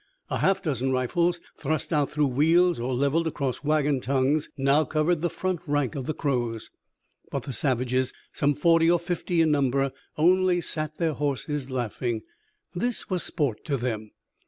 A half dozen rifles, thrust out through wheels or leveled across wagon togues, now covered the front rank of the Crows; but the savages, some forty or fifty in number, only sat their horses laughing. This was sport to them.